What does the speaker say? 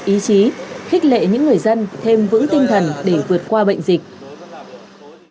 ý chí khích lệ những người dân thêm vững tinh thần để vượt qua bệnh dịch